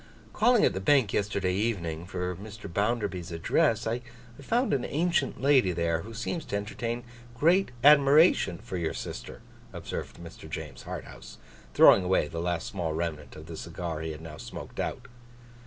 'Calling at the Bank yesterday evening, for Mr. Bounderby's address, I found an ancient lady there, who seems to entertain great admiration for your sister,' observed Mr. James Harthouse, throwing away the last small remnant of the cigar he had now smoked out.